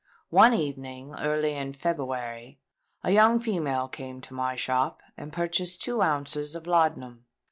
One evening, early in February, a young female came to my shop and purchased two ounces of laudanum.